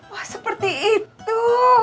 wah seperti itu